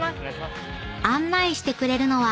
［案内してくれるのは］